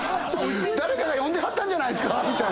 誰かが呼んではったんじゃないですかみたいな。